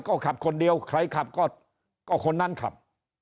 ก็ขับคนเดียวใครขับก็คนนั้นขับ